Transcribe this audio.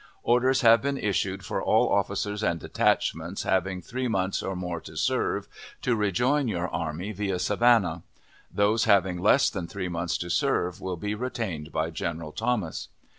Orders have been issued for all officers and detachments having three months or more to serve, to rejoin your army via Savannah. Those having less than three months to serve, will be retained by General Thomas.